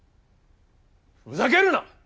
ふざけるな！